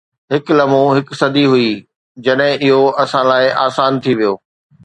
هڪ لمحو هڪ صدي هئي جڏهن اهو اسان لاء آسان ٿي ويو